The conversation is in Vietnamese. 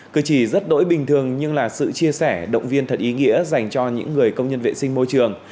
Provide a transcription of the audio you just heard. cư chỉ rất đỗi bình thường nhưng là sự chia sẻ động viên thật ý nghĩa dành cho những người công nhân vệ sinh môi trường